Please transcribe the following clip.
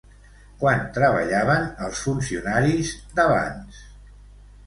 Quant treballaven els funcionaris d'abans?